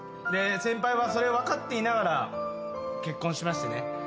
先輩はそれを分かっていながら結婚しましてね。